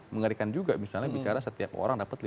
mengerikan juga misalnya bicara setiap orang dapat